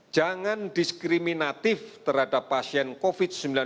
jangan diskriminatif terhadap pasien covid sembilan belas